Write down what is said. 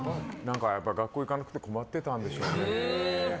やっぱり学校行かなくて困ってたんでしょうね。